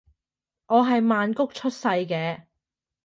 我係曼谷出世嘅